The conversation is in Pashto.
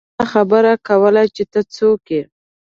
ما دا خبره کوله چې ته څوک يې ۔